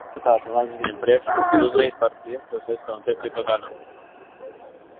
Ir arī deputāta Lagzdiņa priekšlikums uzreiz par piekto, sesto un septīto daļu.